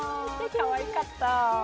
かわいかった。